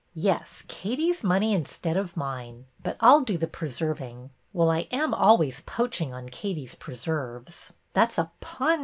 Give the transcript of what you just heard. Yes, Katie's money instead of mine ; but I 'll do the preserving. Well, I am always poaching on Katie's preserves ! That 's a pun.